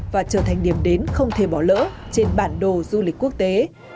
và trở thành điểm đến không thể bỏ lỡ trên bản đồ du lịch quốc tế